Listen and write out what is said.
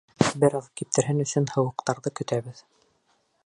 Бер аҙ киптерһен өсөн һыуыҡтарҙы көтәбеҙ.